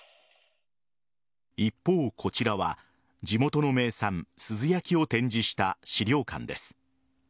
一方、こちらは地元の名産・珠洲焼を展示した資料館です。